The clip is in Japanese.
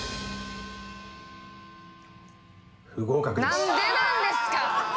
何でなんですか！？